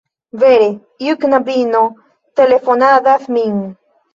Vere, iu knabino telefonadas min